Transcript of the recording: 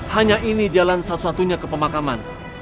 hanya ini jalan satu satunya ke pemakaman